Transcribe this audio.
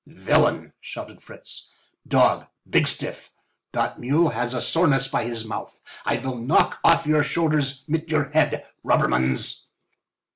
"Villain!" shouted Fritz, "dog, bigstiff! Dot mule he has a soreness by his mouth. I vill knock off your shoulders mit your head— robbermans!"